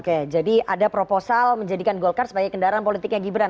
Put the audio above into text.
oke jadi ada proposal menjadikan golkar sebagai kendaraan politiknya gibran